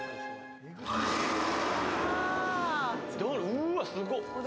うーわ、すごっ！